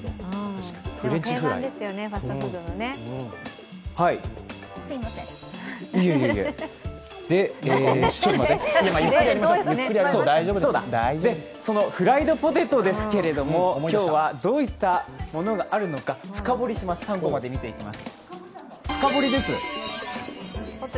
定番ですよね、ファストフードのそのフライドポテトですけれども、今日はどういったものがあるのか深掘りします、３コマで見ていきます。